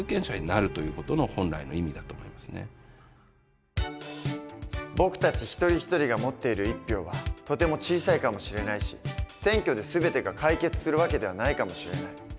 社会の中で僕たち一人一人が持っている１票はとても小さいかもしれないし選挙で全てが解決する訳ではないかもしれない。